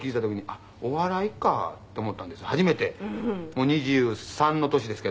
もう２３の年ですけども。